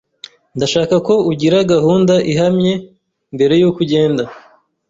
Ndashaka ko ugira gahunda ihamye mbere yuko ugenda.